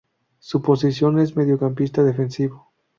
Su posición es mediocampista defensivo.